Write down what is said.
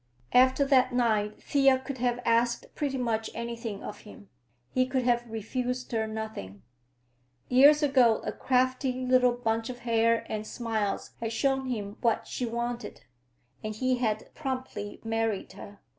After that night Thea could have asked pretty much anything of him. He could have refused her nothing. Years ago a crafty little bunch of hair and smiles had shown him what she wanted, and he had promptly married her.